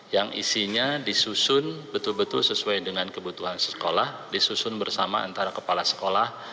yang isinya disusun betul betul sesuai dengan kebutuhan sekolah disusun bersama antara kepala sekolah